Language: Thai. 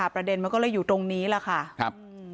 ประเด็นมันก็เลยอยู่ตรงนี้แหละค่ะครับ